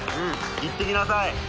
いってきなさい。